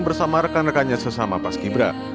bersama rekan rekannya sesama pas kibra